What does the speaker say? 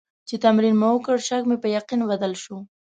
چې تمرین مې وکړ، شک مې په یقین بدل شو.